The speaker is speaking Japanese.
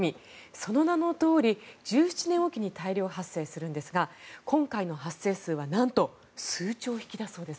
その名のとおり１７年おきに大量発生するんですが今回の発生数はなんと数兆匹だそうです。